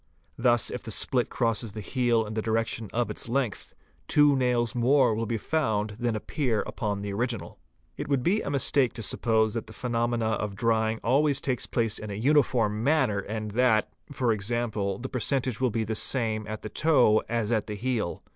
Thus if the split crosses the heel in the direc tion of its length, two nails more will be found than appear upon the original. It would be a mistake to suppose that the phenomena of drying always take place in a uniform manner and that, e.g., the percentage will be the same at the toe as at the heel.